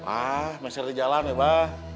ah masih ada di jalan ya mbak